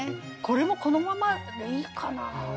これもこのままでいいかな。